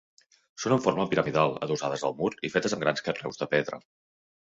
Són amb forma piramidal, adossades al mur i fetes amb grans carreus de pedra.